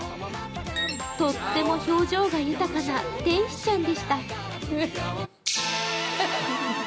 とっても表情が豊かな天使ちゃんでした。